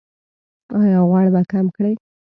ایا غوړ به کم کړئ؟